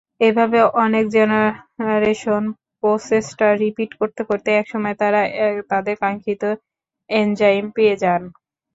এভাবে অনেক জেনারেশন প্রসেসটা রিপিট করতে করতে একসময় তারা তাদের কাঙ্খিত এনজাইম পেয়ে যান।